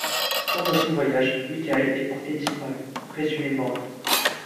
Lors de son voyage, Michael est porté disparu, présumé mort.